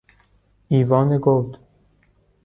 ایوان گود